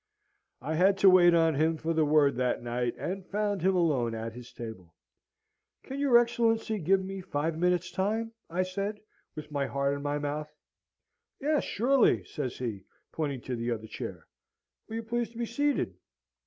"I had to wait on him for the word that night, and found him alone at his table. 'Can your Excellency give me five minutes' time?' I said, with my heart in my mouth. 'Yes, surely, sir,' says he, pointing to the other chair. 'Will you please to be seated?'